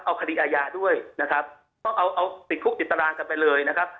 เอาคดีอาญาด้วยนะครับต้องเอาเอาติดคุกติดตารางกันไปเลยนะครับ